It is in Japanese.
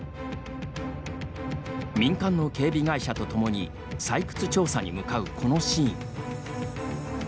民間の警備会社とともに採掘調査に向かう、このシーン。